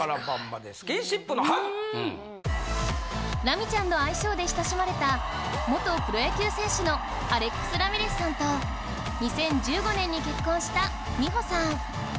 ラミちゃんの愛称で親しまれた元プロ野球選手のアレックス・ラミレスさんと２０１５年に結婚した美保さん